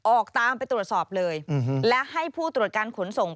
ออกตามไปตรวจสอบเลยและให้ผู้ตรวจการขนส่ง